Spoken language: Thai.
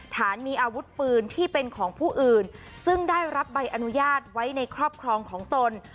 ฐานมีอาวุธปืนที่เป็นของผู้อื่นซึ่งได้รับใบอนุญาตไว้ในครอบครองของตน